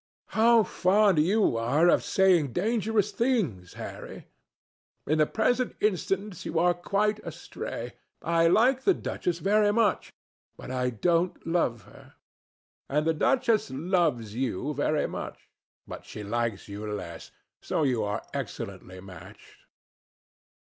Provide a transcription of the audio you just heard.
"How fond you are of saying dangerous things, Harry! In the present instance, you are quite astray. I like the duchess very much, but I don't love her." "And the duchess loves you very much, but she likes you less, so you are excellently matched."